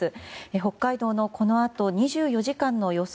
北海道のこのあと２４時間の予想